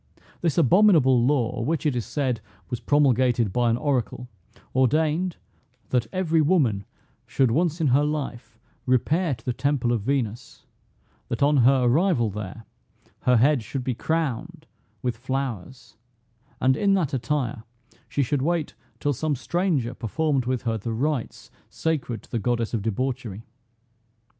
This abominable law, which, it is said, was promulgated by an oracle, ordained, That every woman should once in her life repair to the temple of Venus; that on her arrival there, her head should be crowned with flowers, and in that attire, she should wait till some stranger performed with her the rites sacred to the goddess of debauchery.